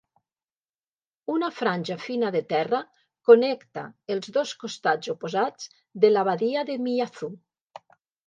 Una franja fina de terra connecta els dos costats oposats de la badia de Miyazu.